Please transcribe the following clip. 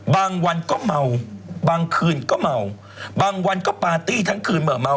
บางวันก็เมาบางคืนก็เมาบางวันก็ปาร์ตี้ทั้งคืนเมื่อเมา